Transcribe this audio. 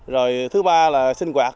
rồi thứ ba là sinh hoạt